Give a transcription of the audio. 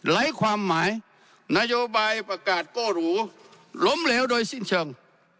ไร้ความหมายนโยบายประกาศโก้หรูล้มเหลวโดยสิ้นเชิง